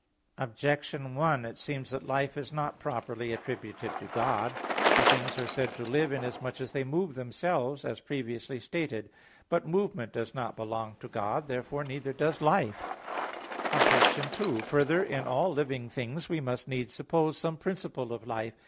Objection 1: It seems that life is not properly attributed to God. For things are said to live inasmuch as they move themselves, as previously stated (A. 2). But movement does not belong to God. Neither therefore does life. Obj. 2: Further, in all living things we must needs suppose some principle of life.